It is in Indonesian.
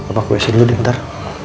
apa aku isi dulu deh ntar